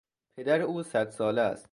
پدر او صد ساله است.